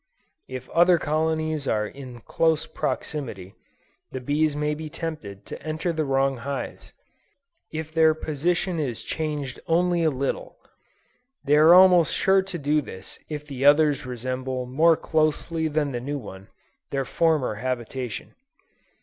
If other colonies are in close proximity, the bees may be tempted to enter the wrong hives, if their position is changed only a little; they are almost sure to do this if the others resemble more closely than the new one, their former habitation.